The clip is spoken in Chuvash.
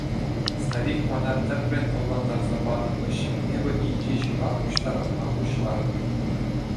Старик мана тӗплӗн ӑнлантарса панӑ хыҫҫӑн эпӗ инҫе ҫула пуҫтарӑнма пуҫларӑм.